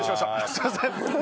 すいません！